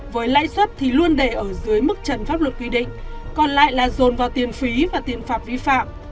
với lãi suất thì luôn để ở dưới mức trần pháp luật quy định còn lại là dồn vào tiền phí và tiền phạt vi phạm